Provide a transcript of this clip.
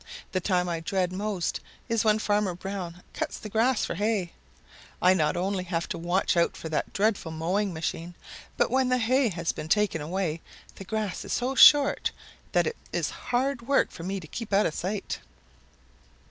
The time I dread most is when Farmer Brown cuts the grass for hay. I not only have to watch out for that dreadful mowing machine, but when the hay has been taken away the grass is so short that it is hard work for me to keep out of sight.